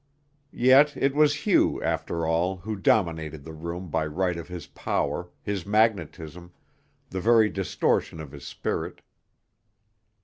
Yet it was Hugh, after all, who dominated the room by right of his power, his magnetism, the very distortion of his spirit.